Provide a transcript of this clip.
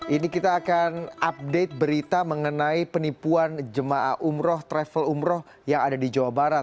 ini kita akan update berita mengenai penipuan jemaah umroh travel umroh yang ada di jawa barat